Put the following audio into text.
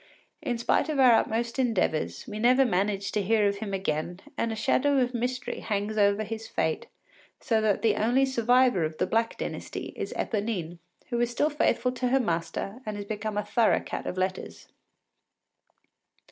In spite of our utmost endeavours, we never managed to hear of him again, and a shadow of mystery hangs over his fate; so that the only survivor of the Black Dynasty is Eponine, who is still faithful to her master and has become a thorough cat of letters.